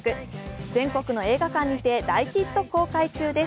全国の映画館にて大ヒット公開中です。